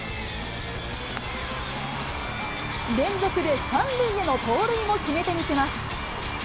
連続で３塁への盗塁も決めてみせます。